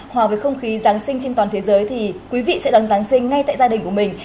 hòa với không khí giáng sinh trên toàn thế giới thì quý vị sẽ đón giáng sinh ngay tại gia đình của mình